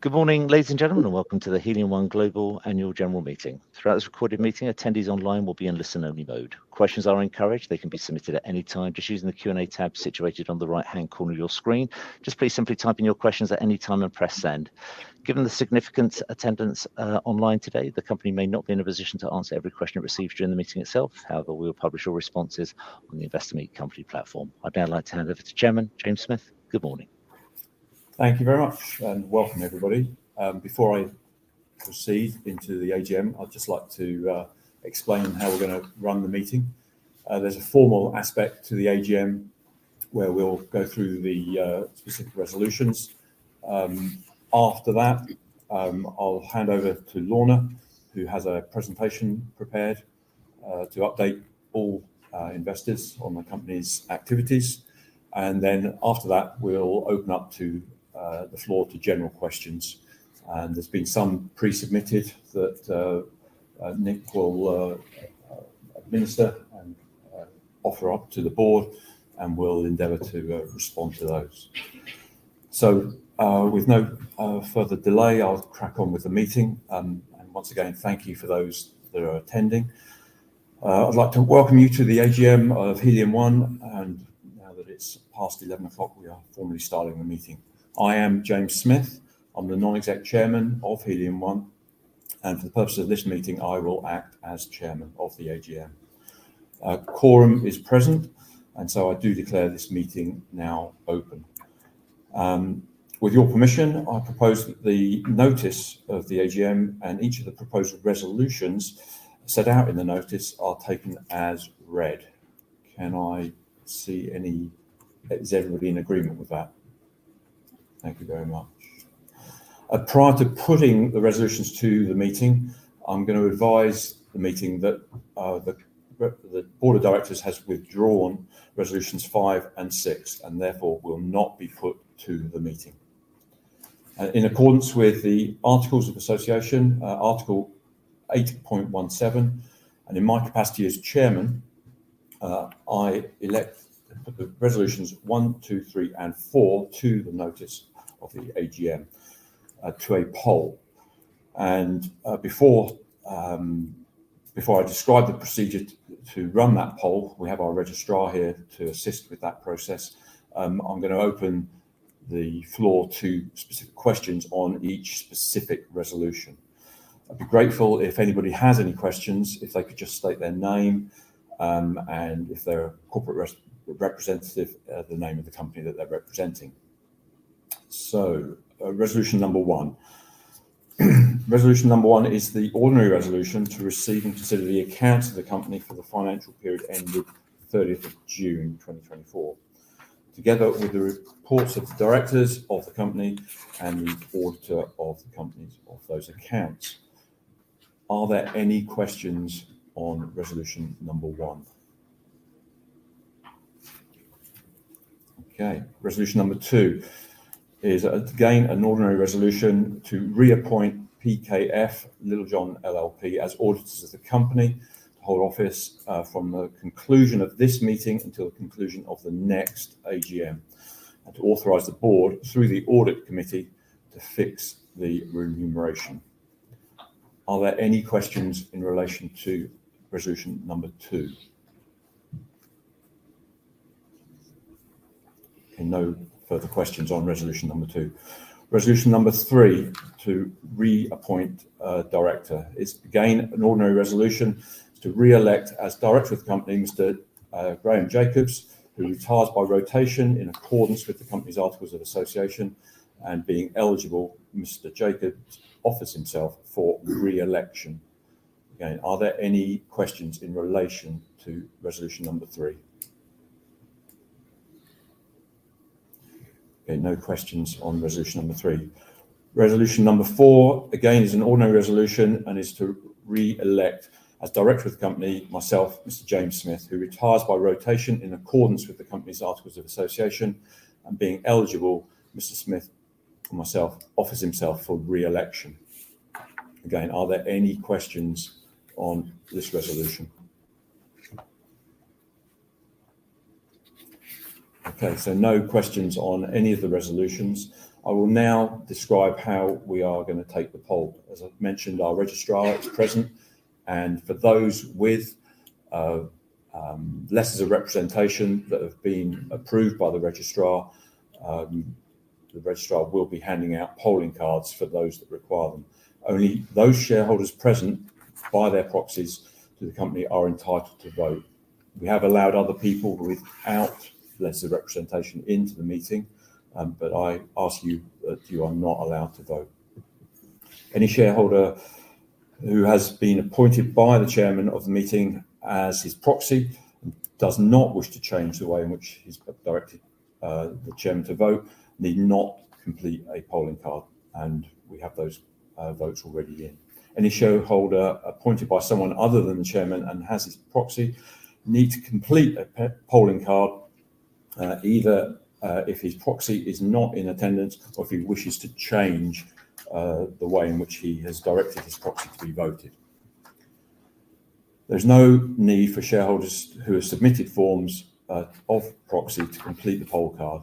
Good morning, ladies and gentlemen, and welcome to the Helium One Global Annual General Meeting. Throughout this recorded meeting, attendees online will be in listen-only mode. Questions are encouraged. They can be submitted at any time just using the Q&A tab situated on the right-hand corner of your screen. Just please simply type in your questions at any time and press send. Given the significant attendance online today, the company may not be in a position to answer every question it receives during the meeting itself. However, we will publish all responses on the Investor Meet Company platform. I'd now like to hand over to Chairman James Smith. Good morning. Thank you very much, and welcome everybody. Before I proceed into the AGM, I'd just like to explain how we're going to run the meeting. There's a formal aspect to the AGM, where we'll go through the specific resolutions. After that, I'll hand over to Lorna, who has a presentation prepared, to update all investors on the company's activities. After that, we'll open up the floor to general questions, and there's been some pre-submitted that Nick will administer and offer up to the board, and we'll endeavor to respond to those. With no further delay, I'll crack on with the meeting. Once again, thank you for those that are attending. I'd like to welcome you to the AGM of Helium One, and now that it's past 11:00 A.M., we are formally starting the meeting. I am James Smith. I'm the Non-Executive Chairman of Helium One, and for the purpose of this meeting, I will act as Chairman of the AGM. Quorum is present, and so I do declare this meeting now open. With your permission, I propose that the notice of the AGM and each of the proposed resolutions set out in the notice are taken as read. Is everybody in agreement with that? Thank you very much. Prior to putting the resolutions to the meeting, I'm going to advise the meeting that the board of directors has withdrawn resolutions five and six, and therefore will not be put to the meeting. In accordance with the Articles of Association, Article 18.17, and in my capacity as Chairman, I put resolutions one, two, three, and four of the notice of the AGM to a poll. Before I describe the procedure to run that poll, we have our registrar here to assist with that process. I'm going to open the floor to specific questions on each specific resolution. I'd be grateful if anybody has any questions if they could just state their name, and if they're a corporate representative, the name of the company that they're representing. Resolution number one. Resolution number one is the ordinary resolution to receive and consider the accounts of the company for the financial period ended 30th of June 2024, together with the reports of the directors of the company and the auditor of the companies of those accounts. Are there any questions on resolution number one? Okay. Resolution number two is, again, an ordinary resolution to reappoint PKF Littlejohn LLP as auditors of the company to hold office from the conclusion of this meeting until the conclusion of the next AGM, and to authorize the board, through the audit committee, to fix the remuneration. Are there any questions in relation to resolution number two? Okay, no further questions on resolution number two. Resolution number three, to reappoint a director. It's again an ordinary resolution to re-elect as director of the company, Mr. Graham Jacobs, who retires by rotation in accordance with the company's articles of association, and being eligible, Mr. Jacobs offers himself for re-election. Again, are there any questions in relation to resolution number three? Okay, no questions on resolution number three. Resolution number four, again, is an ordinary resolution, and is to re-elect as director of the company, myself, Mr. James Smith, who retires by rotation in accordance with the company's articles of association, and being eligible, Mr. Smith or myself offers himself for re-election. Again, are there any questions on this resolution? Okay, no questions on any of the resolutions. I will now describe how we are going to take the poll. As I've mentioned, our registrar is present, and for those with letters of representation that have been approved by the registrar, the registrar will be handing out polling cards for those that require them. Only those shareholders present by their proxies to the company are entitled to vote. We have allowed other people without letters of representation into the meeting, but I ask you that you are not allowed to vote. Any shareholder who has been appointed by the chairman of the meeting as his proxy, and does not wish to change the way in which he's directed the chairman to vote, need not complete a polling card, and we have those votes already in. Any shareholder appointed by someone other than the chairman and has his proxy will need to complete a polling card, either if his proxy is not in attendance or if he wishes to change the way in which he has directed his proxy to be voted. There's no need for shareholders who have submitted forms of proxy to complete the poll card,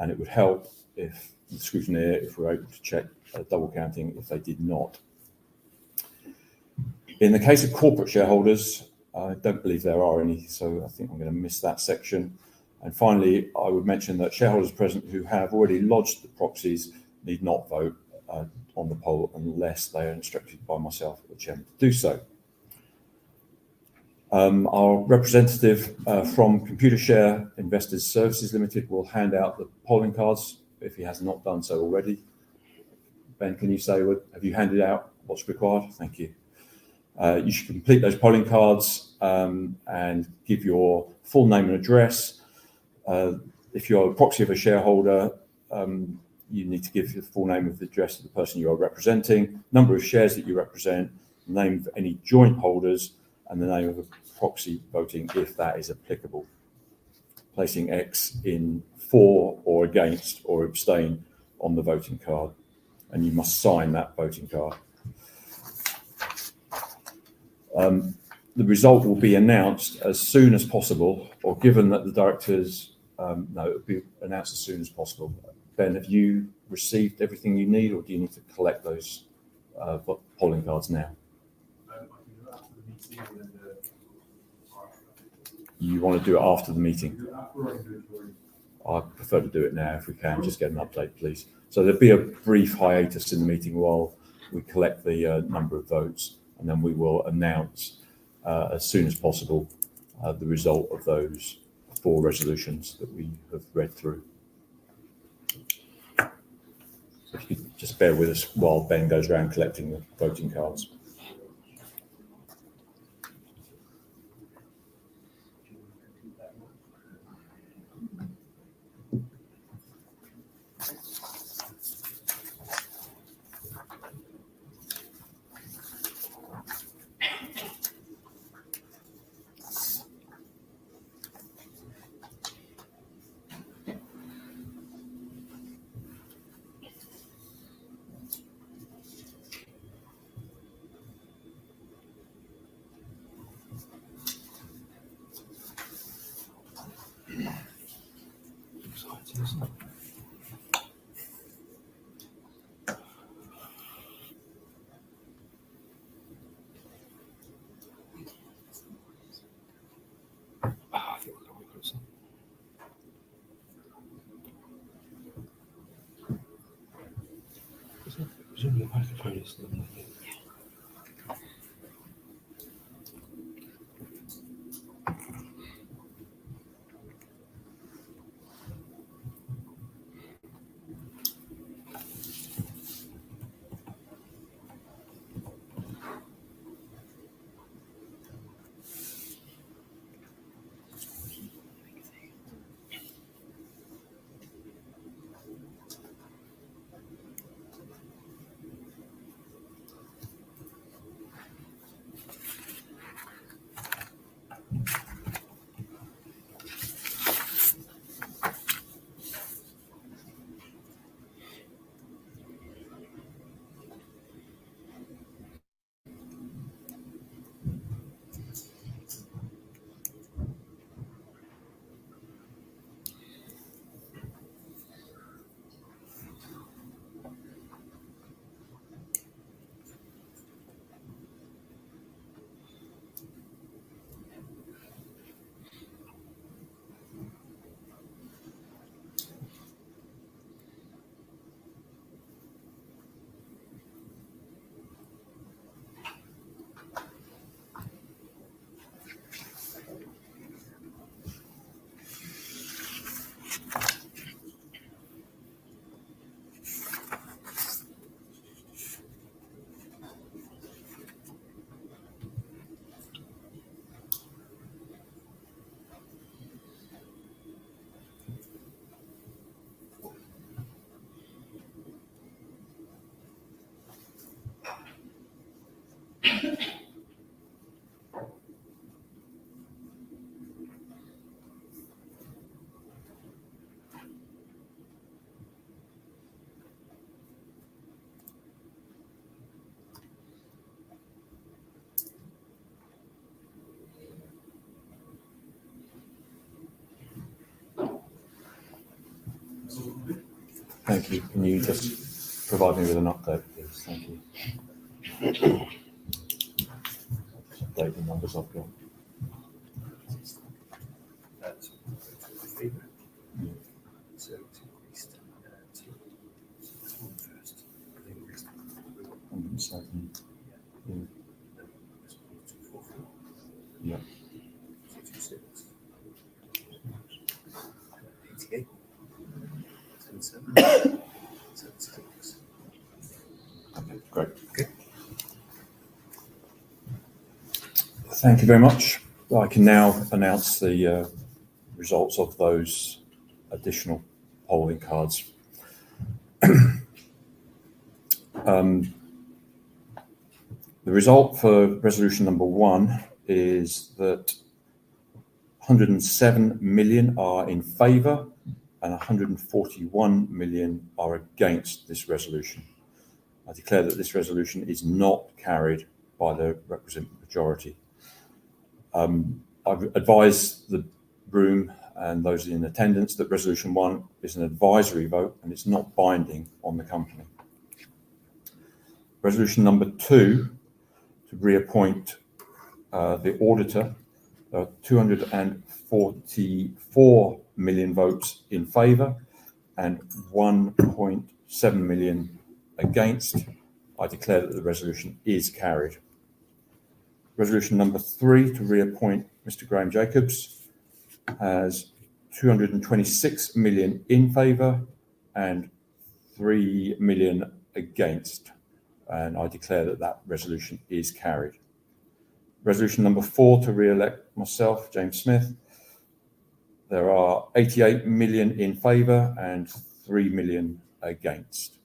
and it would help the scrutineer if we're able to check double counting if they did not. In the case of corporate shareholders, I don't believe there are any, so I think I'm going to miss that section. Finally, I would mention that shareholders present who have already lodged the proxies need not vote on the poll unless they are instructed by myself or the chairman to do so. Our representative from Computershare Investor Services PLC will hand out the polling cards if he has not done so already. Ben, have you handed out what's required? Thank you. You should complete those polling cards, and give your full name and address. If you're a proxy of a shareholder, you need to give the full name and the address of the person you are representing, number of shares that you represent, name of any joint holders, and the name of the proxy voting, if that is applicable. Placing X in for or against or abstain on the voting card, and you must sign that voting card. The result will be announced as soon as possible. Ben, have you received everything you need or do you need to collect those polling cards now? I can do it after the meeting. You want to do it after the meeting? After or before. I'd prefer to do it now if we can. Just get an update, please. There'll be a brief hiatus in the meeting while we collect the number of votes, and then we will announce, as soon as possible, the result of those four resolutions that we have read through. If you can just bear with us while Ben goes around collecting the voting cards. Thank you. Can you just provide me with an update, please? Thank you. Update the numbers I've got. Okay, great. Thank you very much. Well, I can now announce the results of those additional polling cards. The result for resolution number one is that 107 million are in favor, and 141 million are against this resolution. I declare that this resolution is not carried by the representative majority. I advise the room and those in attendance that resolution one is an advisory vote and it's not binding on the company. Resolution number two, to reappoint the auditor. 244 million votes in favor, and 1.7 million against. I declare that the resolution is carried. Resolution number three, to reappoint Mr. Graham Jacobs, has 226 million in favor and 3 million against, and I declare that that resolution is carried. Resolution number four, to re-elect myself, James Smith. There are 88 million in favor and 3 million against,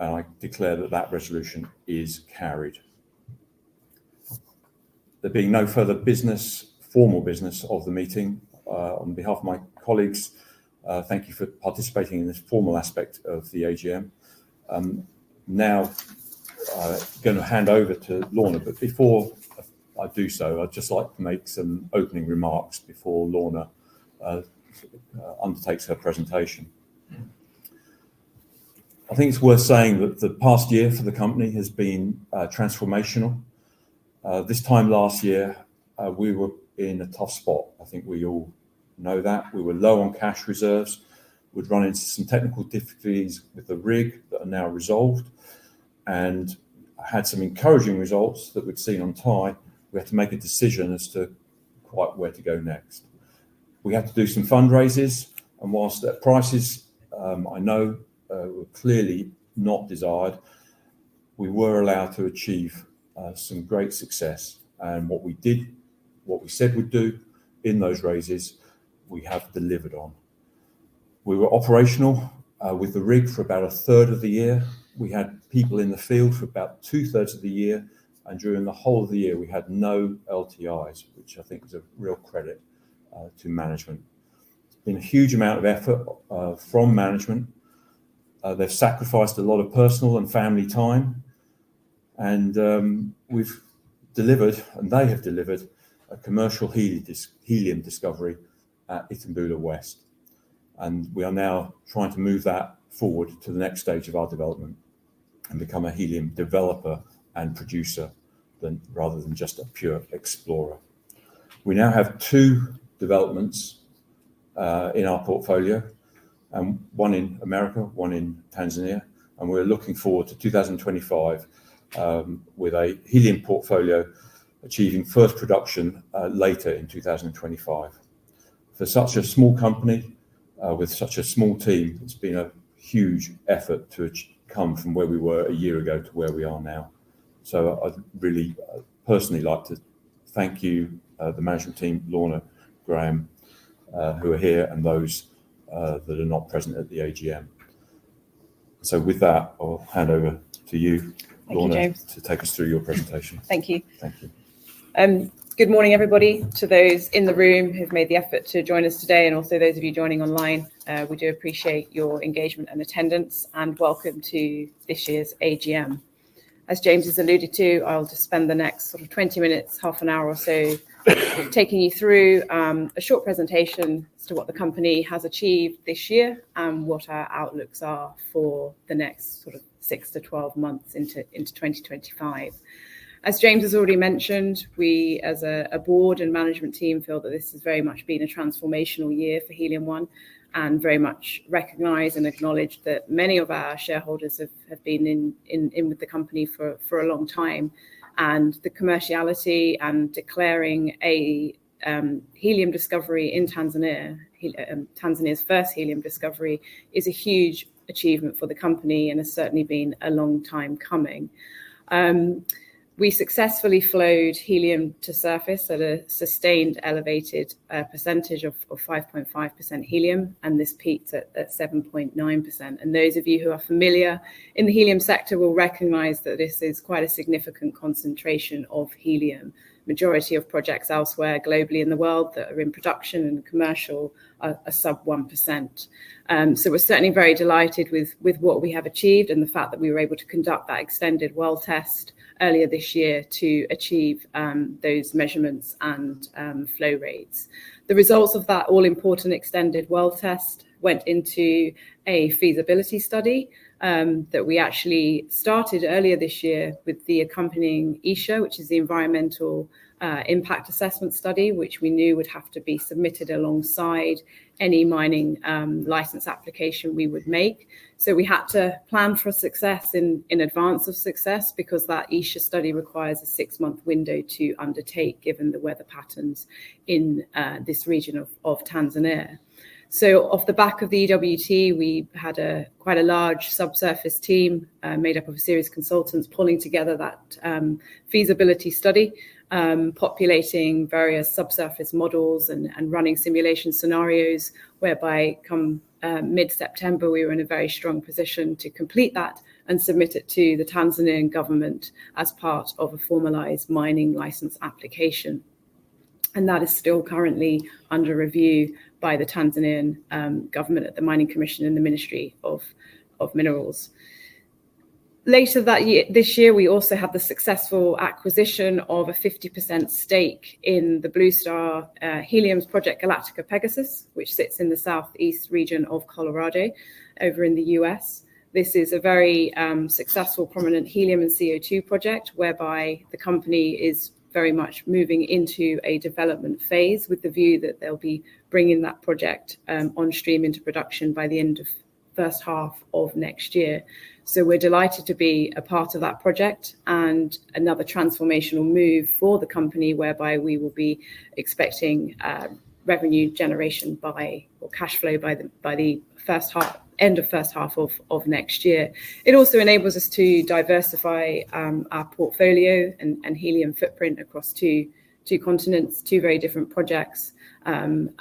and I declare that that resolution is carried. There being no further business, formal business of the meeting, on behalf of my colleagues, thank you for participating in this formal aspect of the AGM. Now I'm going to hand over to Lorna, but before I do so, I'd just like to make some opening remarks before Lorna undertakes her presentation. I think it's worth saying that the past year for the company has been transformational. This time last year, we were in a tough spot. I think we all know that. We were low on cash reserves. We'd run into some technical difficulties with the rig that are now resolved and had some encouraging results that we'd seen at Itumbula. We had to make a decision as to quite where to go next. We had to do some fundraisers, and while their prices, I know were clearly not desired, we were able to achieve some great success. What we did, what we said we'd do in those raises, we have delivered on. We were operational with the rig for about a third of the year. We had people in the field for about two-thirds of the year, and during the whole of the year, we had no LTIs, which I think is a real credit to management. There has been a huge amount of effort from management. They've sacrificed a lot of personal and family time and we've delivered, and they have delivered a commercial helium discovery at Itumbula West. We are now trying to move that forward to the next stage of our development and become a helium developer and producer rather than just a pure explorer. We now have two developments in our portfolio, one in America, one in Tanzania, and we're looking forward to 2025 with a helium portfolio achieving first production later in 2025. For such a small company with such a small team, it's been a huge effort to come from where we were a year ago to where we are now. I'd really personally like to thank you, the management team, Lorna, Graham, who are here and those that are not present at the AGM. With that, I'll hand over to you, Lorna. Thank you, James. to take us through your presentation. Thank you. Thank you. Good morning, everybody. To those in the room who've made the effort to join us today, and also those of you joining online, we do appreciate your engagement and attendance, and welcome to this year's AGM. As James has alluded to, I'll just spend the next sort of 20 minutes, half an hour or so taking you through a short presentation as to what the company has achieved this year and what our outlooks are for the next sort of 6 to 12 months into 2025. As James has already mentioned, we as a board and management team feel that this has very much been a transformational year for Helium One, and very much recognize and acknowledge that many of our shareholders have been in with the company for a long time, and the commerciality and declaring a helium discovery in Tanzania's first helium discovery, is a huge achievement for the company and has certainly been a long time coming. We successfully flowed helium to surface at a sustained elevated percentage of 5.5% helium, and this peaked at 7.9%. Those of you who are familiar in the helium sector will recognize that this is quite a significant concentration of helium. Majority of projects elsewhere globally in the world that are in production and are commercial are sub 1%. We're certainly very delighted with what we have achieved and the fact that we were able to conduct that extended well test earlier this year to achieve those measurements and flow rates. The results of that all-important extended well test went into a feasibility study that we actually started earlier this year with the accompanying ESIA, which is the environmental impact assessment study, which we knew would have to be submitted alongside any mining license application we would make. We had to plan for success in advance of success because that ESIA study requires a six-month window to undertake given the weather patterns in this region of Tanzania. Off the back of the EWT, we had quite a large subsurface team made up of a series of consultants pulling together that feasibility study, populating various subsurface models and running simulation scenarios whereby come mid-September, we were in a very strong position to complete that and submit it to the Tanzanian government as part of a formalized mining license application. That is still currently under review by the Tanzanian government at the Mining Commission and the Ministry of Minerals. Later this year, we also had the successful acquisition of a 50% stake in the Blue Star Helium's Galactica-Pegasus project, which sits in the southeast region of Colorado over in the U.S. This is a very successful prominent helium and CO2 project, whereby the company is very much moving into a development phase with the view that they'll be bringing that project on stream into production by the end of first half of next year. We're delighted to be a part of that project and another transformational move for the company, whereby we will be expecting revenue generation by, or cash flow by the end of first half of next year. It also enables us to diversify our portfolio and helium footprint across two continents, two very different projects, and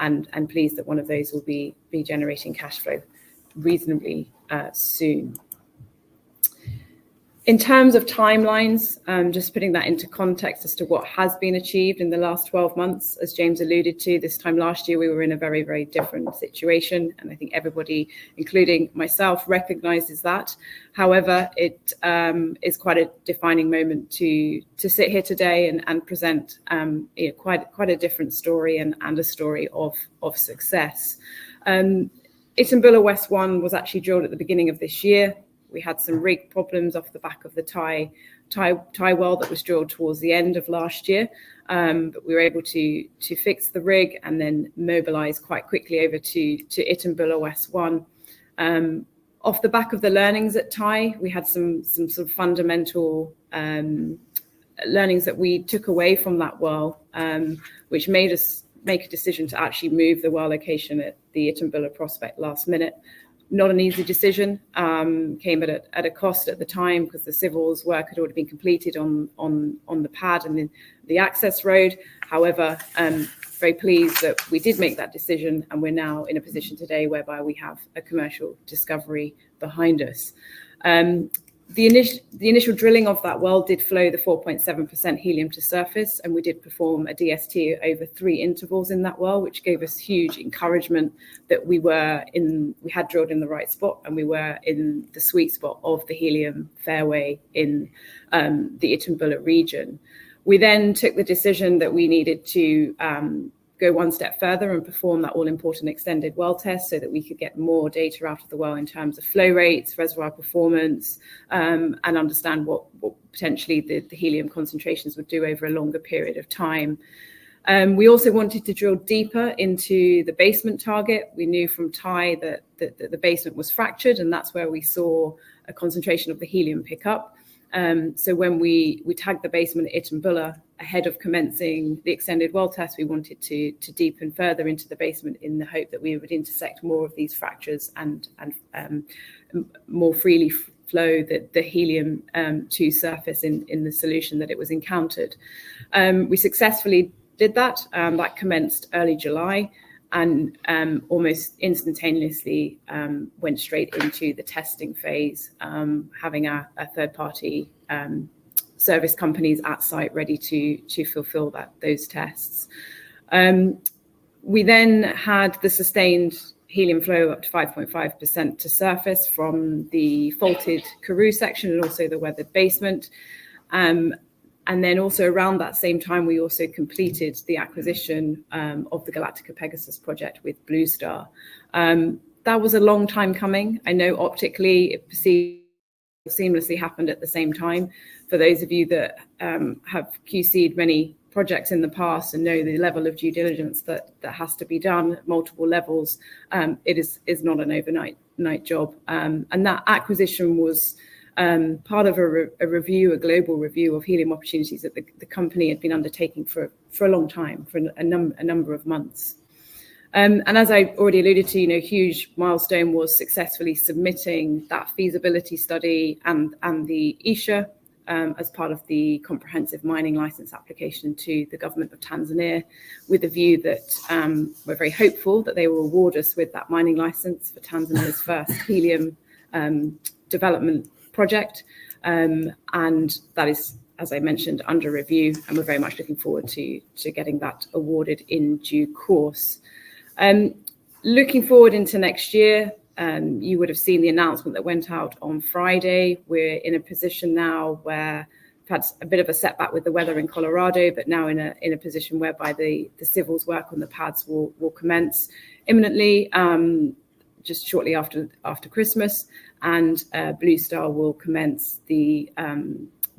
pleased that one of those will be generating cash flow reasonably soon. In terms of timelines, just putting that into context as to what has been achieved in the last 12 months, as James alluded to, this time last year, we were in a very, very different situation, and I think everybody, including myself, recognizes that. However, it is quite a defining moment to sit here today and present quite a different story and a story of success. Itumbula West-1 was actually drilled at the beginning of this year. We had some rig problems off the back of the Tai well that was drilled towards the end of last year. We were able to fix the rig and then mobilize quite quickly over to Itumbula West-1. Off the back of the learnings at Tai, we had some sort of fundamental learnings that we took away from that well, which made us make a decision to actually move the well location at the Itumbula prospect last minute. Not an easy decision. Came at a cost at the time because the civils work had already been completed on the pad and then the access road. However, very pleased that we did make that decision and we're now in a position today whereby we have a commercial discovery behind us. The initial drilling of that well did flow the 4.7% helium to surface, and we did perform a DST over three intervals in that well, which gave us huge encouragement that we had drilled in the right spot and we were in the sweet spot of the helium fairway in the Itumbula region. We took the decision that we needed to go one step further and perform that all-important extended well test so that we could get more data out of the well in terms of flow rates, reservoir performance, and understand what potentially the helium concentrations would do over a longer period of time. We also wanted to drill deeper into the basement target. We knew from Tai that the basement was fractured, and that's where we saw a concentration of the helium pickup. When we tagged the basement at Itumbula ahead of commencing the extended well test, we wanted to deepen further into the basement in the hope that we would intersect more of these fractures and more freely flow the helium to surface in the solution that it was encountered. We successfully did that. That commenced early July and almost instantaneously went straight into the testing phase, having our third-party service companies at site ready to fulfill those tests. We then had the sustained helium flow up to 5.5% to surface from the faulted Karoo section and also the weathered basement. Then also around that same time, we also completed the acquisition of the Galactica-Pegasus project with Blue Star. That was a long time coming. I know optically it seamlessly happened at the same time. For those of you that have QC'd many projects in the past and know the level of due diligence that has to be done at multiple levels, it is not an overnight job. That acquisition was part of a review, a global review of helium opportunities that the company had been undertaking for a long time, for a number of months. As I've already alluded to, a huge milestone was successfully submitting that feasibility study and the ESIA as part of the comprehensive mining license application to the government of Tanzania with a view that we're very hopeful that they will award us with that mining license for Tanzania's first helium development project. That is, as I mentioned, under review, and we're very much looking forward to getting that awarded in due course. Looking forward into next year, you would have seen the announcement that went out on Friday. We're in a position now where we've had a bit of a setback with the weather in Colorado, but now in a position whereby the civils work on the pads will commence imminently, just shortly after Christmas, and Blue Star will commence the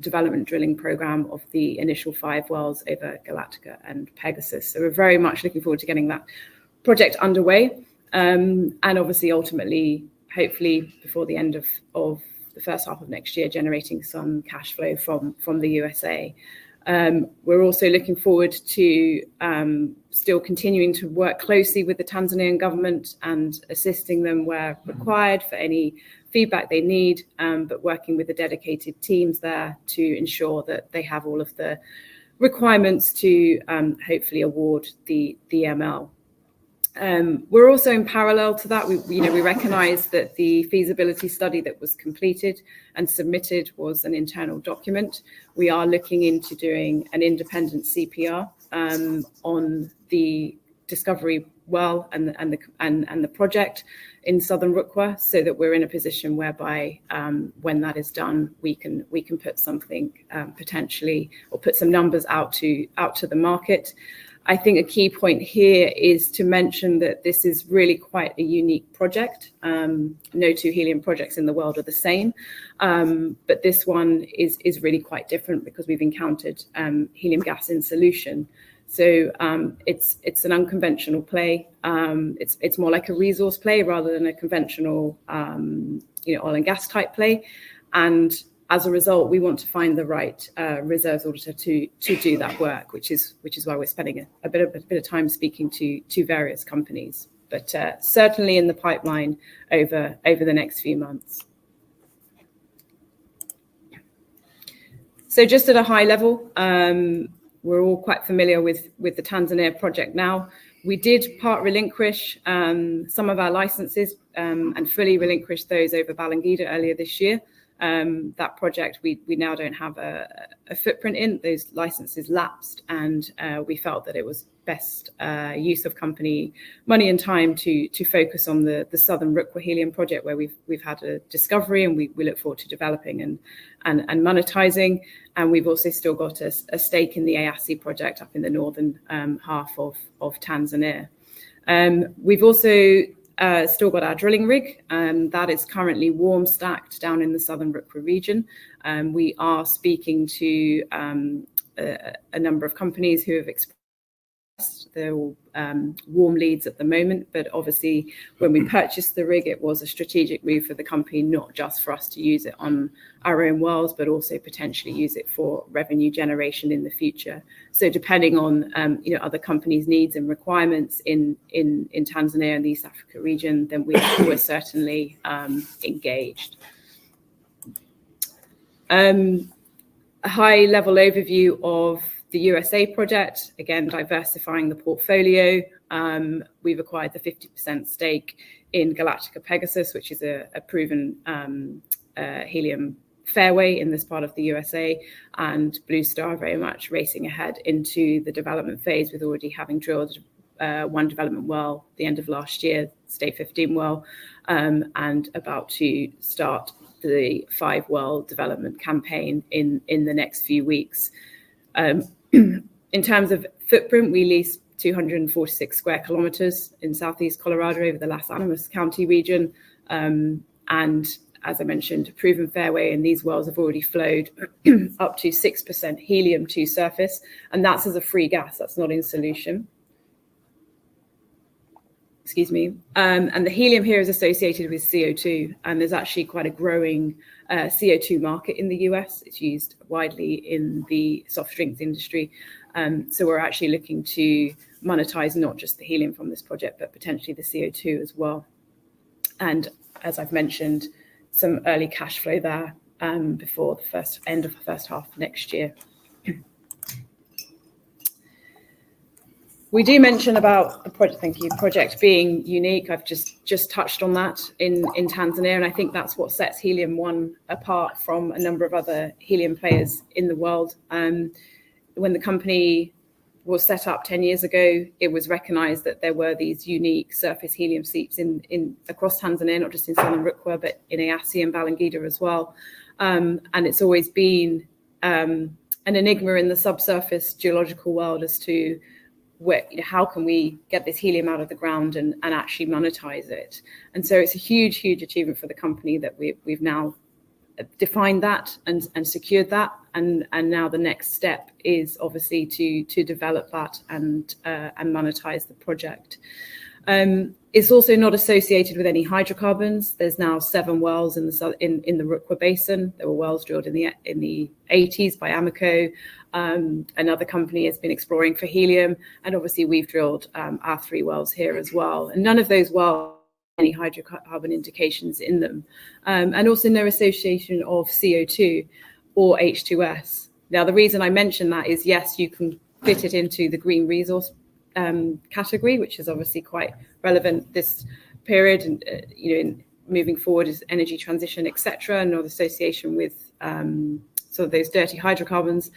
development drilling program of the initial 5 wells over Galactica and Pegasus. We're very much looking forward to getting that project underway, obviously, ultimately, hopefully before the end of the first half of next year, generating some cash flow from the USA. We're also looking forward to still continuing to work closely with the Tanzanian government and assisting them where required for any feedback they need, but working with the dedicated teams there to ensure that they have all of the requirements to hopefully award the ML. We're also in parallel to that. We recognize that the feasibility study that was completed and submitted was an internal document. We are looking into doing an independent CPR on the discovery well and the project in Southern Rukwa so that we're in a position whereby, when that is done, we can put something potentially or put some numbers out to the market. I think a key point here is to mention that this is really quite a unique project. No two helium projects in the world are the same. This one is really quite different because we've encountered helium gas in solution. It's an unconventional play. It's more like a resource play rather than a conventional oil and gas type play. As a result, we want to find the right reserves auditor to do that work which is why we're spending a bit of time speaking to various companies, certainly in the pipeline over the next few months. Just at a high level, we're all quite familiar with the Tanzania project now. We did partially relinquish some of our licenses, and fully relinquished those over Balangida earlier this year. That project, we now don't have a footprint in. Those licenses lapsed, and we felt that it was best use of company money and time to focus on the Southern Rukwa Helium Project where we've had a discovery and we look forward to developing and monetizing. We've also still got a stake in the Eyasi project up in the northern half of Tanzania. We've also still got our drilling rig, that is currently warm stacked down in the Southern Rukwa region. We are speaking to a number of companies who have expressed their warm leads at the moment, but obviously when we purchased the rig, it was a strategic move for the company, not just for us to use it on our own wells, but also potentially use it for revenue generation in the future. Depending on other companies' needs and requirements in Tanzania and the East Africa region, then we're certainly engaged. A high-level overview of the U.S. project, again, diversifying the portfolio. We've acquired the 50% stake in Galactica-Pegasus, which is a proven helium fairway in this part of the U.S., and Blue Star very much racing ahead into the development phase with already having drilled one development well at the end of last year, State 15 well, and about to start the five-well development campaign in the next few weeks. In terms of footprint, we lease 246 sq km in southeast Colorado over the Las Animas County region. As I mentioned, proven fairway, and these wells have already flowed up to 6% helium to surface, and that's as a free gas. That's not in solution. Excuse me. The helium here is associated with CO2, and there's actually quite a growing CO2 market in the U.S. It's used widely in the soft drinks industry. We're actually looking to monetize not just the helium from this project, but potentially the CO2 as well. As I've mentioned, some early cash flow there, before end of the first half of next year. We do mention about the project being unique. I've just touched on that in Tanzania, and I think that's what sets Helium One apart from a number of other helium players in the world. When the company was set up 10 years ago, it was recognized that there were these unique surface helium seeps across Tanzania, not just in Southern Rukwa, but in Eyasi and Balangida as well. It's always been an enigma in the subsurface geological world as to how can we get this helium out of the ground and actually monetize it. It's a huge, huge achievement for the company that we've now defined that and secured that, and now the next step is obviously to develop that and monetize the project. It's also not associated with any hydrocarbons. There's now seven wells in the Rukwa Basin. There were wells drilled in the '80s by Amoco. Another company has been exploring for helium, and obviously we've drilled our three wells here as well. None of those wells have any hydrocarbon indications in them. Also no association of CO2 or H2S. Now, the reason I mention that is, yes, you can fit it into the green resource category, which is obviously quite relevant this period, and moving forward is energy transition, et cetera, no association with those dirty hydrocarbons.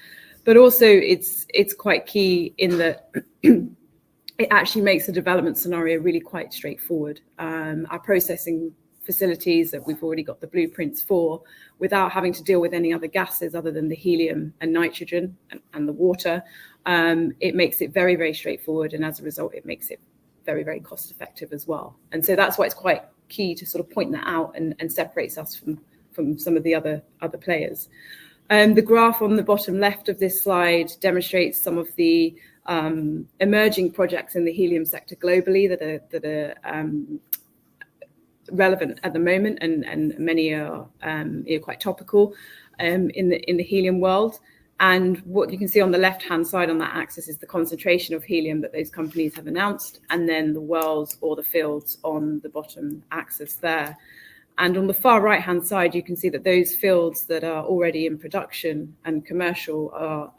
Also, it's quite key in that it actually makes the development scenario really quite straightforward. Our processing facilities that we've already got the blueprints for, without having to deal with any other gases other than the helium and nitrogen and the water. It makes it very, very straightforward and as a result, it makes it very, very cost effective as well. That's why it's quite key to sort of point that out and separates us from some of the other players. The graph on the bottom left of this slide demonstrates some of the emerging projects in the helium sector globally that are relevant at the moment and many are quite topical in the helium world. What you can see on the left-hand side on that axis is the concentration of helium that those companies have announced, and then the wells or the fields on the bottom axis there. On the far right-hand side, you can see that those fields that are already in production and commercial are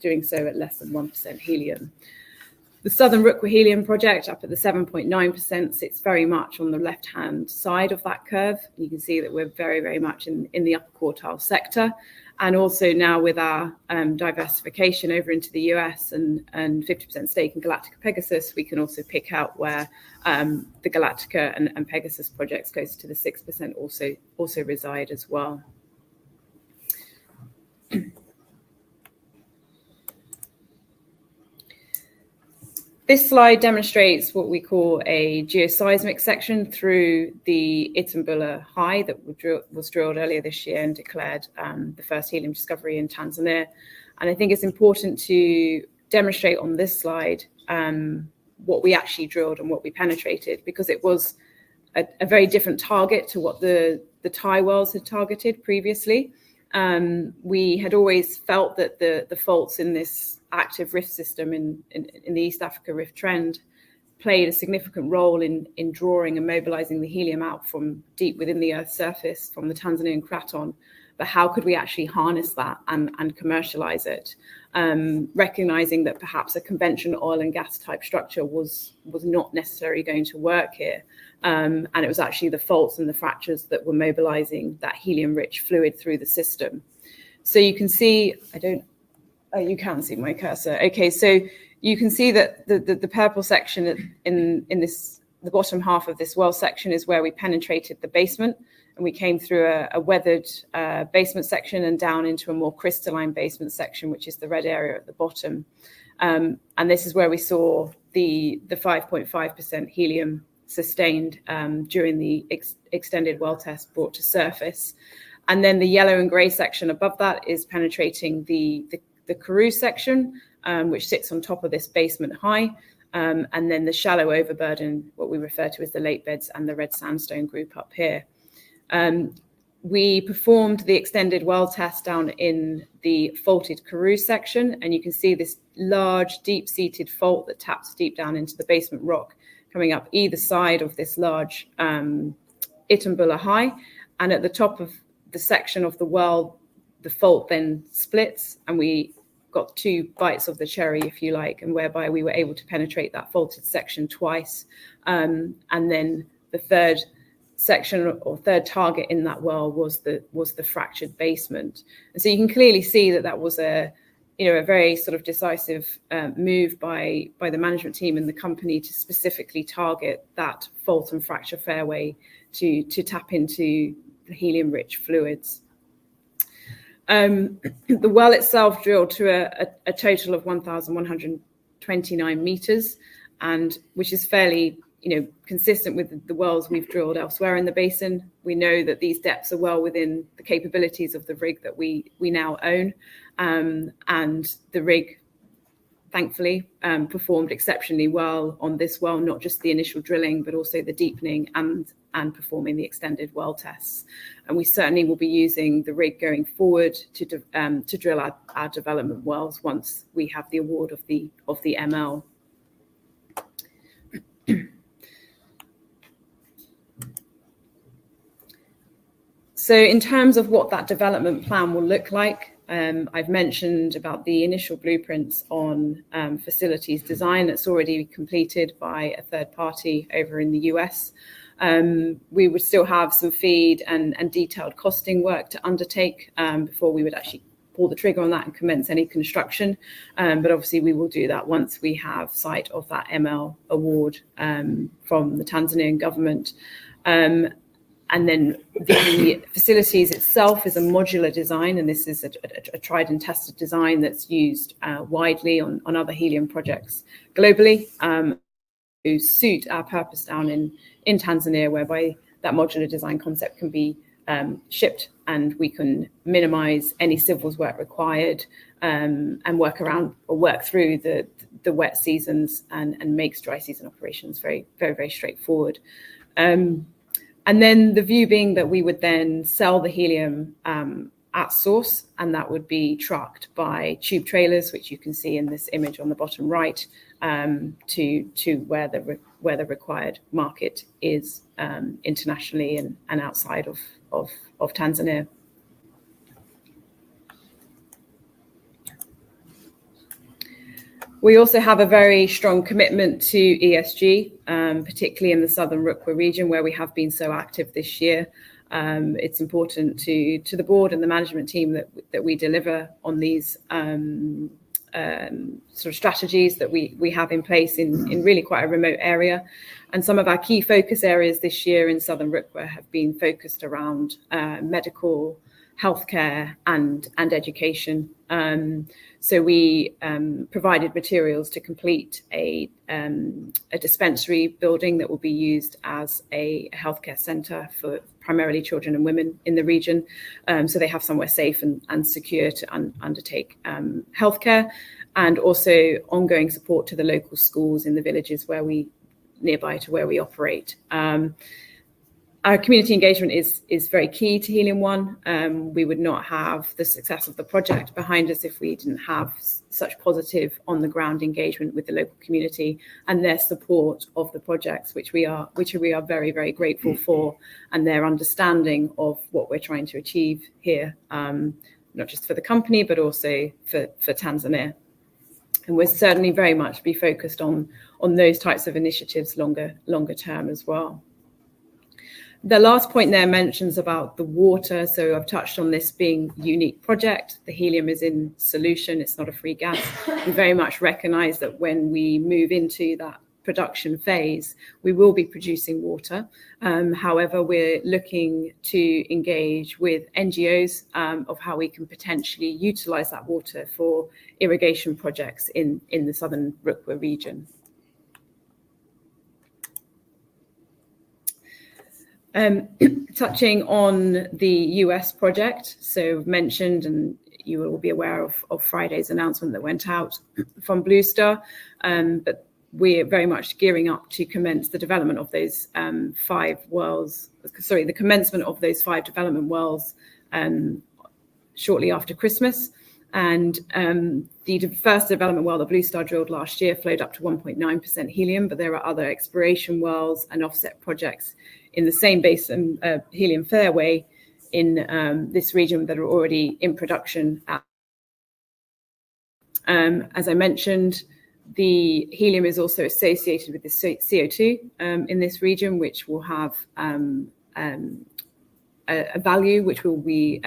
doing so at less than 1% helium. The Southern Rukwa Helium Project up at the 7.9% sits very much on the left-hand side of that curve. You can see that we're very much in the upper quartile sector. Also now with our diversification over into the U.S. and 50% stake in Galactica-Pegasus, we can also pick out where the Galactica and Pegasus projects close to the 6% also reside as well. This slide demonstrates what we call a geoseismic section through the Itumbula High that was drilled earlier this year and declared the first helium discovery in Tanzania. I think it's important to demonstrate on this slide what we actually drilled and what we penetrated, because it was a very different target to what the Tai wells had targeted previously. We had always felt that the faults in this active rift system in the East African Rift trend played a significant role in drawing and mobilizing the helium out from deep within the Earth's surface from the Tanzanian craton. How could we actually harness that and commercialize it? Recognizing that perhaps a conventional oil and gas type structure was not necessarily going to work here, and it was actually the faults and the fractures that were mobilizing that helium-rich fluid through the system. You can see. Oh, you can see my cursor. Okay. You can see that the purple section in the bottom half of this well section is where we penetrated the basement, and we came through a weathered basement section and down into a more crystalline basement section, which is the red area at the bottom. This is where we saw the 5.5% helium sustained during the extended well test brought to surface. The yellow and gray section above that is penetrating the Karoo section, which sits on top of this basement high. The shallow overburden, what we refer to as the Lake Beds and the Red Sandstone Group up here. We performed the extended well test down in the faulted Karoo section, and you can see this large, deep-seated fault that taps deep down into the basement rock coming up either side of this large Itumbula High. At the top of the section of the well, the fault then splits, and we got two bites of the cherry, if you like, and whereby we were able to penetrate that faulted section twice. The third section or third target in that well was the fractured basement. You can clearly see that that was a very decisive move by the management team and the company to specifically target that fault and fracture fairway to tap into the helium-rich fluids. The well itself drilled to a total of 1,129 meters, which is fairly consistent with the wells we've drilled elsewhere in the basin. We know that these depths are well within the capabilities of the rig that we now own. The rig, thankfully, performed exceptionally well on this well, not just the initial drilling, but also the deepening and performing the extended well tests. We certainly will be using the rig going forward to drill our development wells once we have the award of the ML. In terms of what that development plan will look like, I've mentioned about the initial blueprints on facilities design that's already completed by a third party over in the U.S. We would still have some FEED and detailed costing work to undertake before we would actually pull the trigger on that and commence any construction. Obviously, we will do that once we have sight of that ML award from the Tanzanian government. The facilities itself is a modular design, and this is a tried and tested design that's used widely on other helium projects globally to suit our purpose down in Tanzania, whereby that modular design concept can be shipped, and we can minimize any civils work required, and work around or work through the wet seasons and make dry season operations very straightforward. The view being that we would then sell the helium at source, and that would be trucked by tube trailers, which you can see in this image on the bottom right, to where the required market is internationally and outside of Tanzania. We also have a very strong commitment to ESG, particularly in the Southern Rukwa region, where we have been so active this year. It's important to the board and the management team that we deliver on these strategies that we have in place in really quite a remote area. Some of our key focus areas this year in Southern Rukwa have been focused around medical, health care, and education. We provided materials to complete a dispensary building that will be used as a healthcare center for primarily children and women in the region, so they have somewhere safe and secure to undertake healthcare, also ongoing support to the local schools in the villages nearby to where we operate. Our community engagement is very key to Helium One. We would not have the success of the project behind us if we didn't have such positive on-the-ground engagement with the local community and their support of the projects, which we are very, very grateful for, and their understanding of what we're trying to achieve here, not just for the company, but also for Tanzania. We'll certainly very much be focused on those types of initiatives longer term as well. The last point there mentions about the water. I've touched on this being a unique project. The helium is in solution, it's not a free gas. We very much recognize that when we move into that production phase, we will be producing water. However, we're looking to engage with NGOs of how we can potentially utilize that water for irrigation projects in the Southern Rukwa region. Touching on the U.S. project, as mentioned, you will be aware of Friday's announcement that went out from Blue Star, but we're very much gearing up to commence the development of those five wells. Sorry, the commencement of those five development wells shortly after Christmas. The first development well that Blue Star drilled last year flowed up to 1.9% helium, but there are other exploration wells and offset projects in the same basin, Helium Fairway, in this region that are already in production. As I mentioned, the helium is also associated with the CO2 in this region, which will have a value, which will be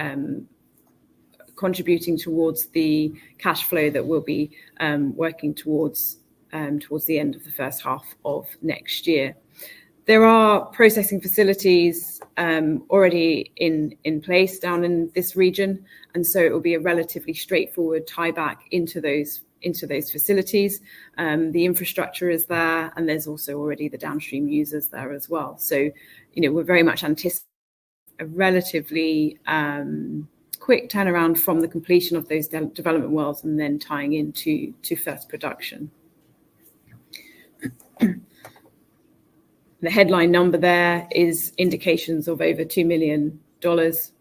contributing towards the cash flow that we'll be working towards the end of the first half of next year. There are processing facilities already in place down in this region, and so it will be a relatively straightforward tie-back into those facilities. The infrastructure is there, and there's also already the downstream users there as well. We're very much anticipating a relatively quick turnaround from the completion of those development wells and then tying into first production. The headline number there is indications of over $2 million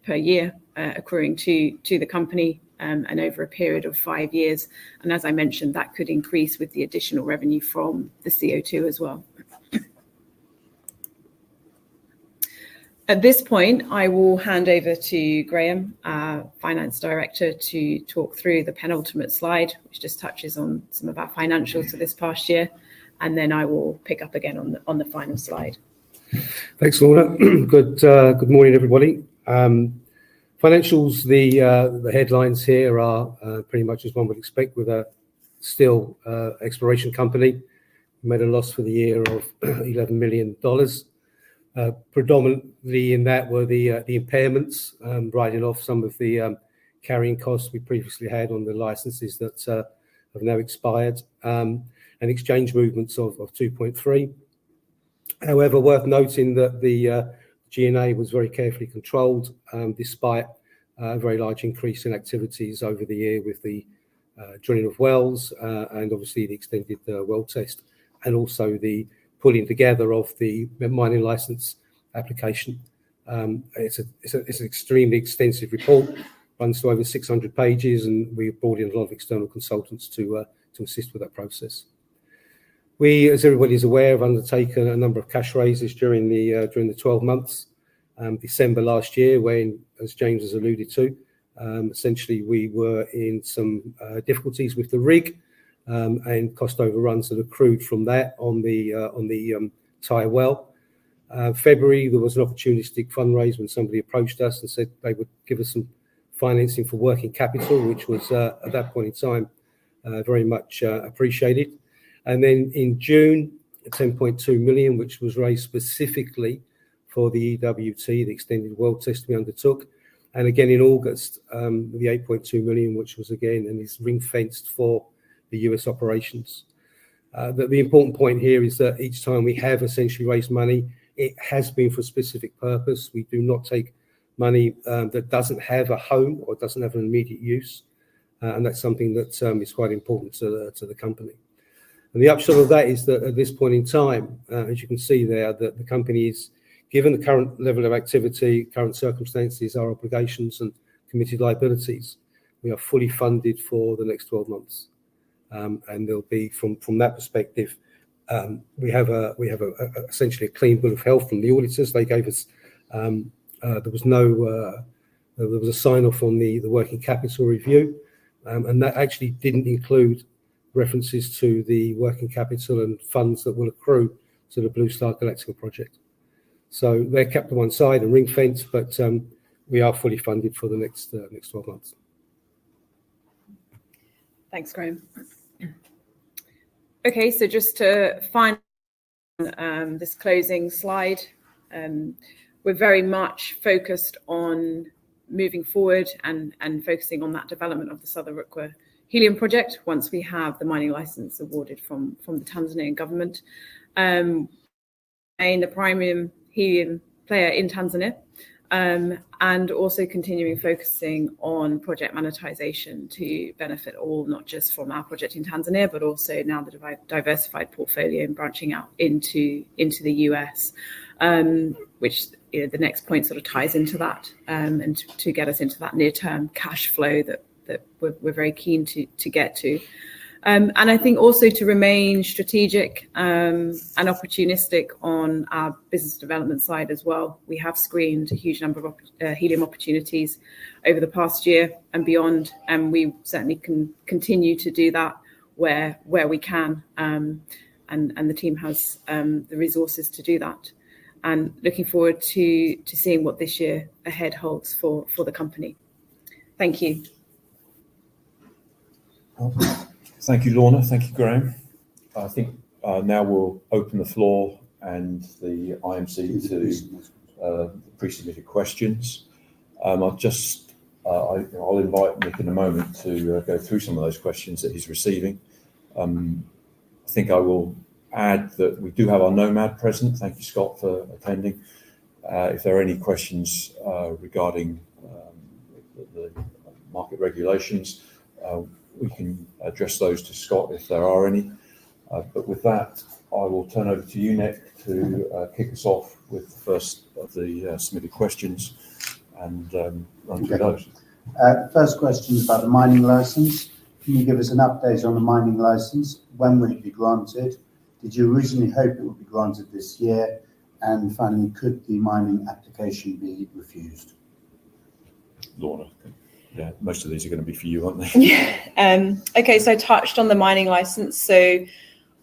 per year accruing to the company and over a period of five years. As I mentioned, that could increase with the additional revenue from the CO2 as well. At this point, I will hand over to Graham, our finance director, to talk through the penultimate slide, which just touches on some of our financials for this past year. Then I will pick up again on the final slide. Thanks, Lorna. Good morning, everybody. Financials, the headlines here are pretty much as one would expect with a small exploration company. Made a loss for the year of $11 million. Predominantly in that were the impairments, writing off some of the carrying costs we previously had on the licenses that have now expired, and exchange movements of $2.3 million. However, worth noting that the G&A was very carefully controlled, despite a very large increase in activities over the year with the drilling of wells and obviously the extended well test and also the pulling together of the mining license application. It's an extremely extensive report, runs to over 600 pages, and we brought in a lot of external consultants to assist with that process. We, as everybody's aware, have undertaken a number of cash raises during the 12 months. December last year, when, as James has alluded to, essentially we were in some difficulties with the rig, and cost overruns that accrued from that on the Tai well. February, there was an opportunistic fundraise when somebody approached us and said they would give us some financing for working capital, which was at that point in time very much appreciated. In June, the $10.2 million, which was raised specifically for the EWT, the extended well test we undertook. In August, the $8.2 million, which was again, and it's ring-fenced for the U.S. operations. The important point here is that each time we have essentially raised money, it has been for a specific purpose. We do not take money that doesn't have a home or doesn't have an immediate use. That's something that is quite important to the company. The upshot of that is that at this point in time, as you can see there, that the company is, given the current level of activity, current circumstances, our obligations and committed liabilities, we are fully funded for the next 12 months. There'll be, from that perspective, we have essentially a clean bill of health from the auditors. There was a sign-off on the working capital review. That actually didn't include references to the working capital and funds that will accrue to the Blue Star Helium project. They're kept to one side and ring-fenced, but we are fully funded for the next 12 months. Thanks, Graham. Okay, just to final this closing slide. We're very much focused on moving forward and focusing on that development of the Southern Rukwa Helium Project once we have the mining license awarded from the Tanzanian government. Being the premium helium player in Tanzania, and also continuing focusing on project monetization to benefit all, not just from our project in Tanzania, but also now the diversified portfolio and branching out into the U.S., which the next point sort of ties into that, and to get us into that near-term cash flow that we're very keen to get to. I think also to remain strategic and opportunistic on our business development side as well. We have screened a huge number of helium opportunities over the past year and beyond, and we certainly can continue to do that where we can, and the team has the resources to do that. Looking forward to seeing what this year ahead holds for the company. Thank you. Thank you, Lorna. Thank you, Graham. I think now we'll open the floor and the IMC to pre-submitted questions. I'll invite Nick in a moment to go through some of those questions that he's receiving. I think I will add that we do have our NOMAD present. Thank you, Scott, for attending. If there are any questions regarding the market regulations, we can address those to Scott, if there are any. With that, I will turn over to you, Nick, to kick us off with the first of the submitted questions and onto those. Okay. First question is about the mining license. Can you give us an update on the mining license? When will it be granted? Did you originally hope it would be granted this year? Finally, could the mining application be refused? Lorna? Yeah. Most of these are going to be for you, aren't they? Yeah. Okay, I touched on the mining license.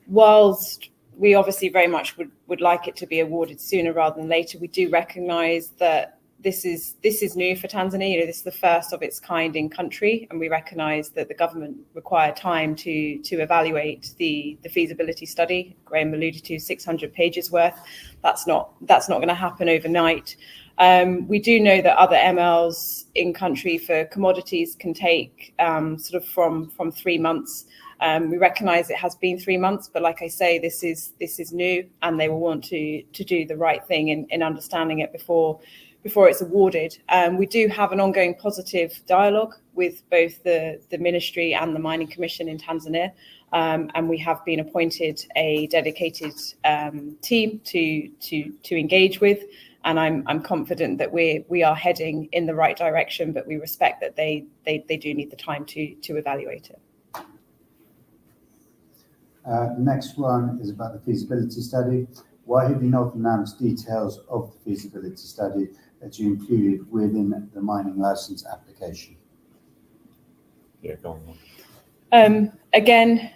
Whilst we obviously very much would like it to be awarded sooner rather than later, we do recognize that this is new for Tanzania. This is the first of its kind in country, and we recognize that the government require time to evaluate the feasibility study. Graham alluded to 600 pages worth. That's not going to happen overnight. We do know that other MLs in country for commodities can take from three months. We recognize it has been three months, but like I say, this is new, and they will want to do the right thing in understanding it before it's awarded. We do have an ongoing positive dialogue with both the Ministry and the Mining Commission in Tanzania, and we have been appointed a dedicated team to engage with, and I'm confident that we are heading in the right direction, but we respect that they do need the time to evaluate it. The next one is about the feasibility study. Why have you not announced details of the feasibility study that you included within the mining license application? Yeah, go on, Lorna. Again,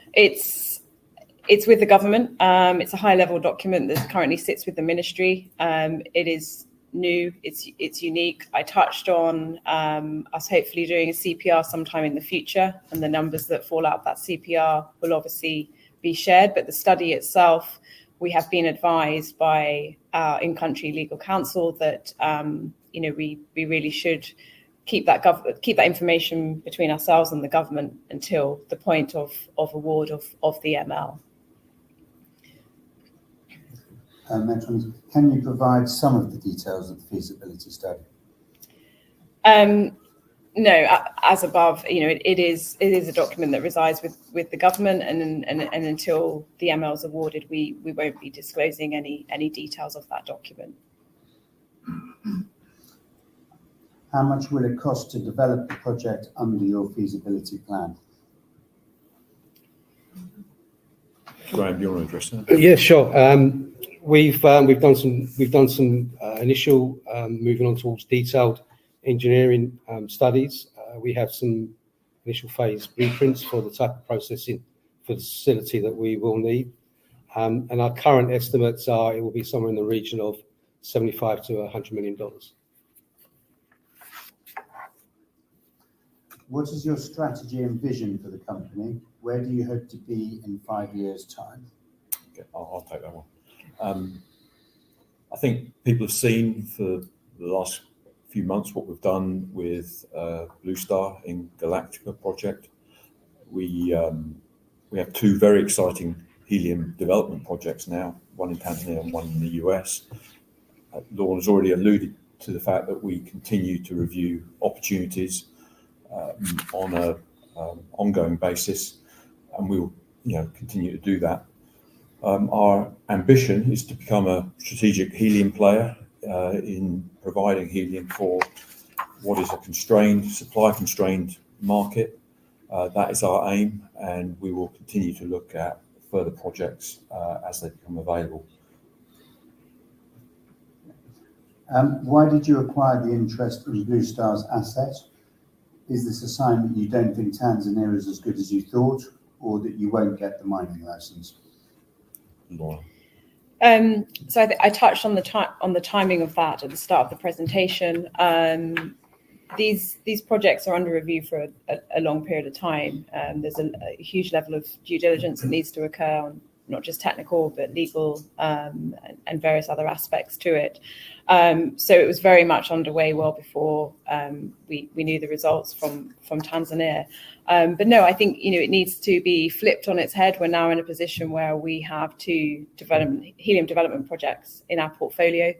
it's with the government. It's a high-level document that currently sits with the Ministry. It is new. It's unique. I touched on us hopefully doing a CPR sometime in the future, and the numbers that fall out of that CPR will obviously be shared. The study itself, we have been advised by our in-country legal counsel that we really should keep that information between ourselves and the government until the point of award of the ML. Next one. Can you provide some of the details of the feasibility study? No. As above, it is a document that resides with the government, and until the ML is awarded, we won't be disclosing any details of that document. How much will it cost to develop the project under your feasibility plan? Graham, your end, yes? Yeah, sure. We've done some initial moving on towards detailed engineering studies. We have some initial phase blueprints for the type of processing for the facility that we will need. Our current estimates are it will be somewhere in the region of $75-$100 million. What is your strategy and vision for the company? Where do you hope to be in five years' time? Okay, I'll take that one. I think people have seen for the last few months what we've done with Blue Star Helium's Galactica project. We have two very exciting helium development projects now, one in Tanzania and one in the U.S. Lorna's already alluded to the fact that we continue to review opportunities on an ongoing basis, and we will continue to do that. Our ambition is to become a strategic helium player in providing helium for what is a supply-constrained market. That is our aim, and we will continue to look at further projects as they become available. Why did you acquire the interest in Blue Star's asset? Is this a sign that you don't think Tanzania is as good as you thought, or that you won't get the mining license? Lorna. I touched on the timing of that at the start of the presentation. These projects are under review for a long period of time. There's a huge level of due diligence that needs to occur on not just technical, but legal, and various other aspects to it. It was very much underway well before we knew the results from Tanzania. No, I think, it needs to be flipped on its head. We're now in a position where we have two helium development projects in our portfolio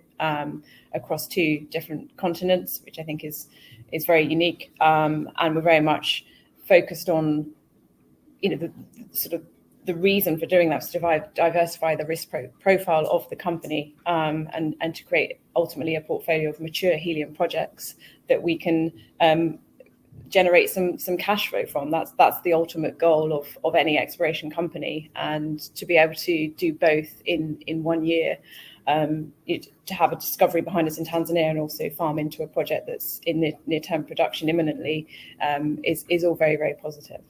across two different continents, which I think is very unique. We're very much focused on the reason for doing that, is to diversify the risk profile of the company, and to create, ultimately, a portfolio of mature helium projects that we can generate some cash flow from. That's the ultimate goal of any exploration company. To be able to do both in one year, to have a discovery behind us in Tanzania and also farm into a project that's in near-term production imminently, is all very, very positive.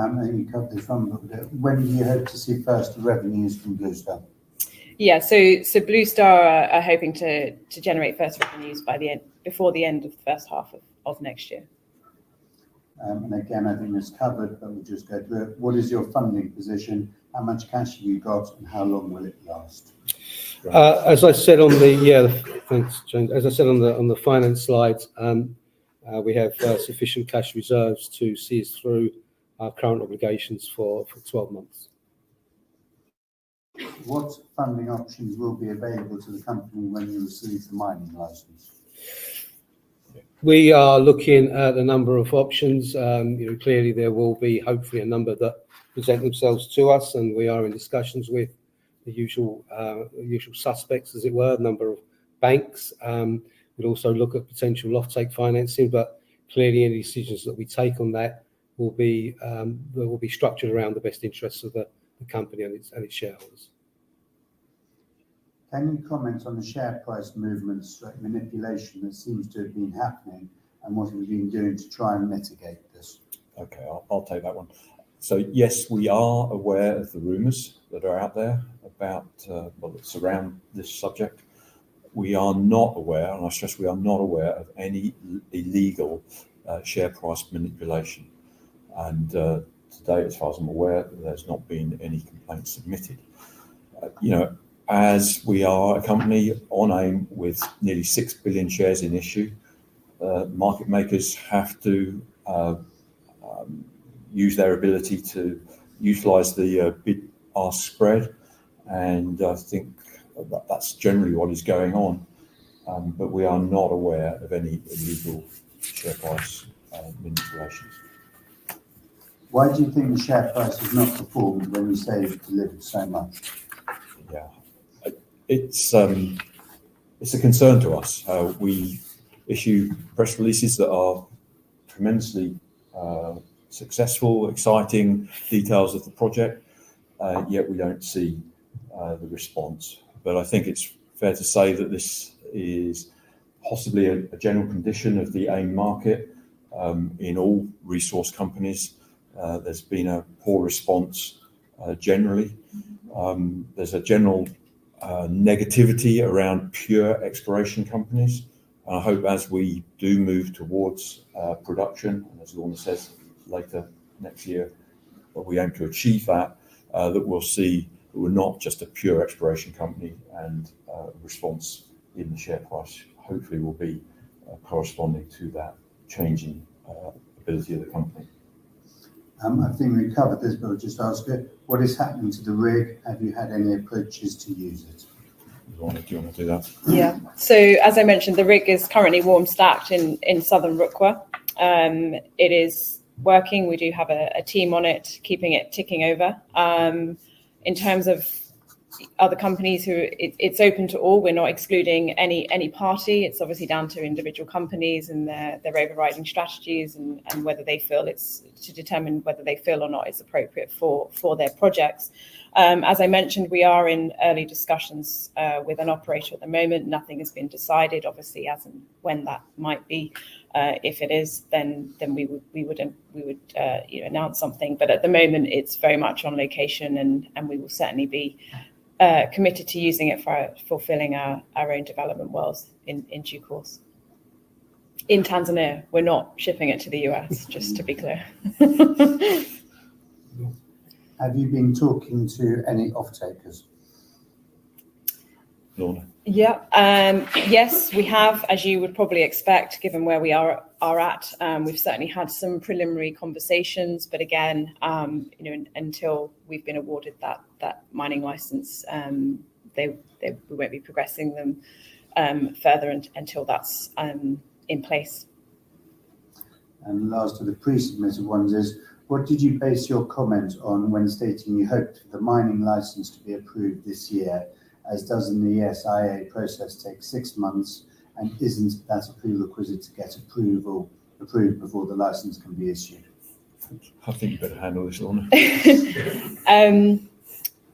I think you covered this one, but when do you hope to see first revenues from Blue Star? Yeah. Blue Star are hoping to generate first revenues before the end of the first half of next year. Again, I think it's covered, but we'll just go through it. What is your funding position? How much cash have you got? How long will it last? Yeah, thanks, James. As I said on the finance slides, we have sufficient cash reserves to see us through our current obligations for 12 months. What funding options will be available to the company when you receive the mining license? We are looking at a number of options. Clearly there will be, hopefully, a number that present themselves to us, and we are in discussions with the usual suspects, as it were, a number of banks. We'll also look at potential off-take financing, but clearly any decisions that we take on that will be structured around the best interests of the company and its shareholders. Can you comment on the share price movements, manipulation that seems to have been happening, and what have you been doing to try and mitigate this? Okay, I'll take that one. Yes, we are aware of the rumors that are out there around this subject. We are not aware, and I stress we are not aware, of any illegal share price manipulation. To date, as far as I'm aware, there's not been any complaints submitted. As we are a company on AIM with nearly 6 billion shares in issue, market makers have to use their ability to utilize the bid-ask spread. I think that's generally what is going on. We are not aware of any illegal share price manipulations. Why do you think the share price has not performed when you say you've delivered so much? Yeah. It's a concern to us. We issue press releases that are tremendously successful, exciting details of the project, yet we don't see the response. I think it's fair to say that this is possibly a general condition of the AIM market, in all resource companies. There's been a poor response generally. There's a general negativity around pure exploration companies. I hope as we do move towards production, and as Lorna says, later next year, what we aim to achieve at, that we'll see that we're not just a pure exploration company and a response in the share price hopefully will be corresponding to that changing ability of the company. I think we covered this, but I'll just ask it. What is happening to the rig? Have you had any approaches to use it? Lorna, do you want to do that? Yeah. As I mentioned, the rig is currently warm stacked in Southern Rukwa. It is working. We do have a team on it, keeping it ticking over. In terms of other companies, it's open to all. We're not excluding any party. It's obviously down to individual companies and their overarching strategies, and whether they feel it's appropriate for their projects. As I mentioned, we are in early discussions with an operator at the moment. Nothing has been decided obviously, as in when that might be. If it is, then we would announce something. But at the moment it's very much on location, and we will certainly be committed to using it for fulfilling our own development wells in due course. In Tanzania, we're not shipping it to the U.S., just to be clear. Have you been talking to any off-takers? Lorna? Yeah. Yes, we have, as you would probably expect, given where we are at. We've certainly had some preliminary conversations, but again, until we've been awarded that mining license, we won't be progressing them further until that's in place. Last of the pre-submitted ones is, what did you base your comment on when stating you hoped the mining license to be approved this year, as doesn't the ESIA process take six months, and isn't that a prerequisite to get approval before the license can be issued? I think you better handle this, Lorna.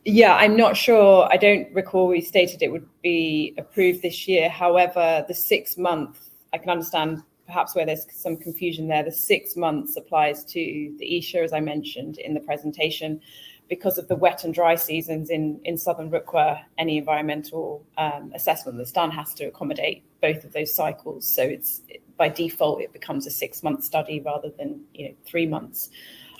Yeah. I'm not sure. I don't recall we stated it would be approved this year. However, the six-month, I can understand perhaps where there's some confusion there. The six months applies to the ESIA, as I mentioned in the presentation. Because of the wet and dry seasons in Southern Rukwa, any environmental assessment that's done has to accommodate both of those cycles. By default it becomes a six-month study rather than three months.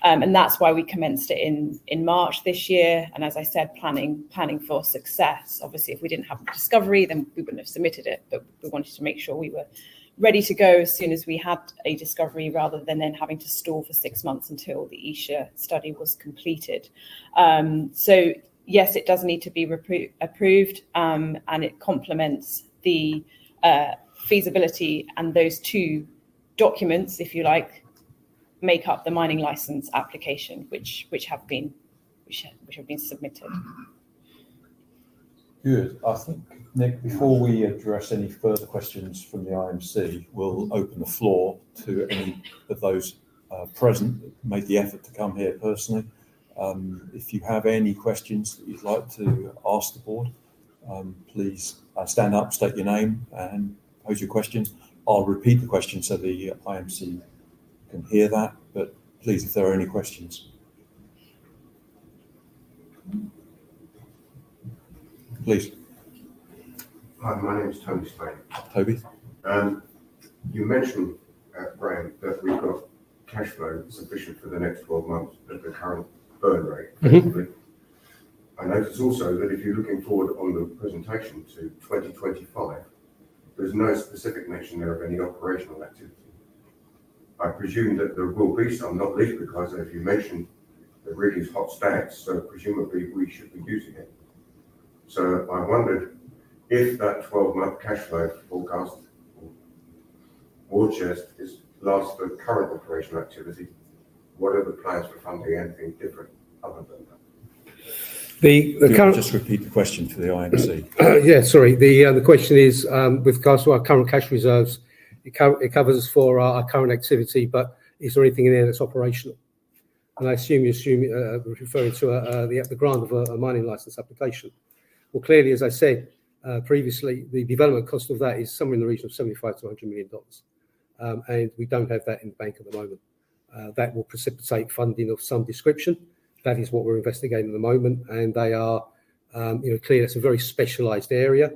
That's why we commenced it in March this year. As I said, planning for success, obviously if we didn't have a discovery, then we wouldn't have submitted it. We wanted to make sure we were ready to go as soon as we had a discovery, rather than then having to wait for six months until the ESIA study was completed. Yes, it does need to be approved, and it complements the feasibility and those two documents, if you like, make up the mining license application, which have been submitted. Good. I think, Nick, before we address any further questions from the IMC, we'll open the floor to any of those present that made the effort to come here personally. If you have any questions that you'd like to ask the board, please stand up, state your name, and pose your questions. I'll repeat the question so the IMC can hear that. Please, if there are any questions. Please. Hi, my name is Toby Spain. Toby. You mentioned, Graham, that we've got cash flow sufficient for the next 12 months at the current burn rate. I notice also that if you're looking forward on the presentation to 2025, there's no specific mention there of any operational activity. I presume that there will be some, not least because if you mention the rig is warm stacked, so presumably we should be using it. I wondered if that 12-month cash flow forecast or cash is to last the current operational activity. What are the plans for funding anything different other than that? The current- Just repeat the question to the IMC. Yeah, sorry. The question is, with regards to our current cash reserves, it covers for our current activity, but is there anything in there that's operational? I assume you're referring to the grant of a mining license application. Well, clearly, as I said previously, the development cost of that is somewhere in the region of $75-$100 million. We don't have that in the bank at the moment. That will precipitate funding of some description. That is what we're investigating at the moment, and clearly, that's a very specialized area.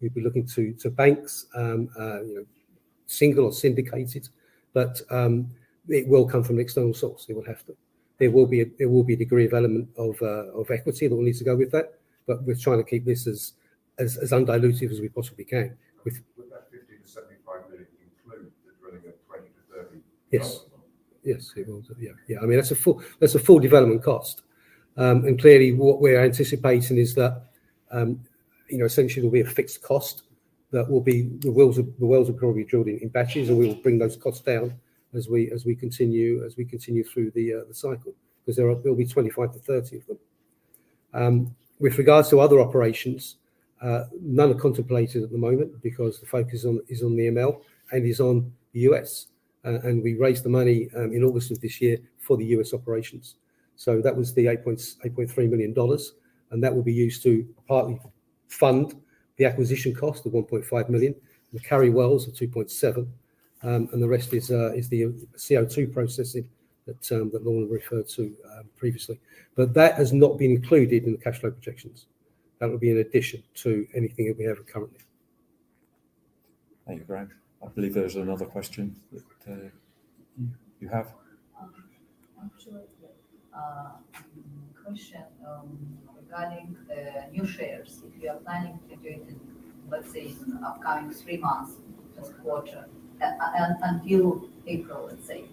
We'd be looking to banks, single or syndicated, but it will come from an external source. It will have to. There will be a degree of element of equity that will need to go with that, but we're trying to keep this as undilutive as we possibly can with- Would that $50 million-$75 million include the drilling of 20-30 development wells? Yes. It will. That's a full development cost. Clearly what we're anticipating is that essentially there'll be a fixed cost. The wells will probably be drilled in batches, and we will bring those costs down as we continue through the cycle, because there will be 25-30 of them. With regards to other operations, none are contemplated at the moment because the focus is on the ML and is on the U.S. We raised the money in August of this year for the U.S. operations. That was the $8.3 million, and that would be used to partly fund the acquisition cost of $1.5 million and the carry wells of $2.7, and the rest is the CO2 processing that Lorna referred to previously. That has not been included in the cash flow projections. That would be in addition to anything that we have currently. Thank you, Graham. I believe there is another question that you have. Actually, question regarding new shares. If you are planning to do it in, let's say, in the upcoming three months or quarter, until April, let's say.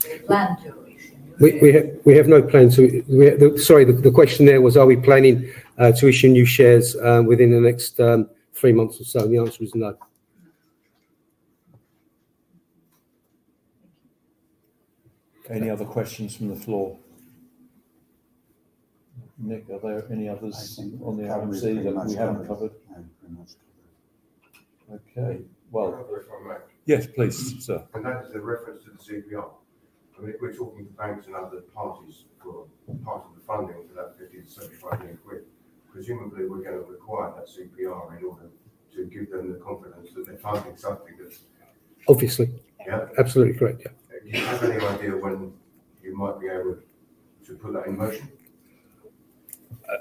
Do you plan to issue new shares? We have no plans. Sorry, the question there was are we planning to issue new shares within the next three months or so, and the answer is no. Thank you. Any other questions from the floor? Nick, are there any others on the IMC that we haven't covered? I think we've pretty much covered. Okay. Well Can I have the floor, Matt? Yes, please, sir. That is a reference to the CPR. If we're talking to banks and other parties for part of the funding for that $50-$75 million, presumably we're going to require that CPR in order to give them the confidence that they're funding something that's Obviously. Yeah. Absolutely. Correct. Yeah. Do you have any idea when you might be able to put that in motion?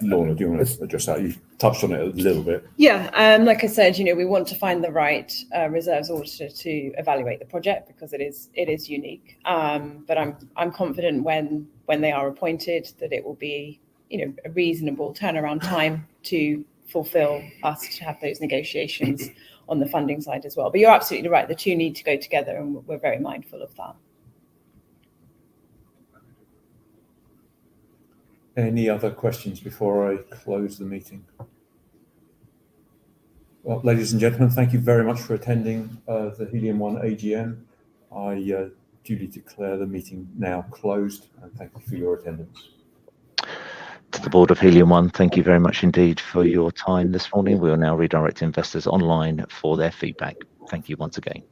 Lorna, do you want to address that? You've touched on it a little bit. Yeah. Like I said, we want to find the right reserves auditor to evaluate the project because it is unique. I'm confident when they are appointed that it will be a reasonable turnaround time to fulfill us to have those negotiations on the funding side as well. You're absolutely right. The two need to go together, and we're very mindful of that. Any other questions before I close the meeting? Well, ladies and gentlemen, thank you very much for attending the Helium One AGM. I duly declare the meeting now closed, and thank you for your attendance. To the board of Helium One, thank you very much indeed for your time this morning. We will now redirect investors online for their feedback. Thank you once again.